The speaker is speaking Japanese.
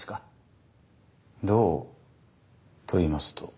どうといいますと？